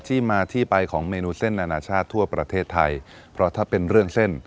ที่มาที่ไปของเมนูเส้นอนาชาติทั่วประเทศไทยเพราะถ้าเป็นเรื่องเส้น